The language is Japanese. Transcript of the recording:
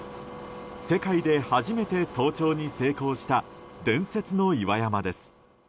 世界で初めて登頂に成功した伝説の岩山です。